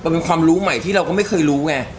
มันเป็นความรู้ใหม่ที่เราก็ไม่เคยรู้ไง